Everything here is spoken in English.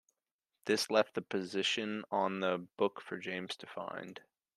This left the position on the books for James to find.